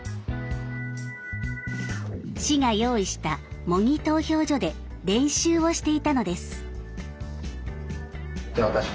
市が用意した模擬投票所で練習をしていたのです。